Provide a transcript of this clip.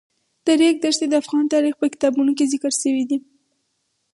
د ریګ دښتې د افغان تاریخ په کتابونو کې ذکر شوی دي.